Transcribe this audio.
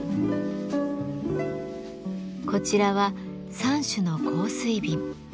こちらは３種の香水瓶。